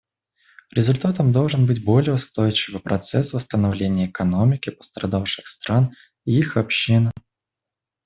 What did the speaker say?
Результатом должен быть более устойчивый процесс восстановления экономики пострадавших стран и их общин.